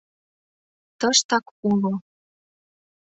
«Тыштак уло.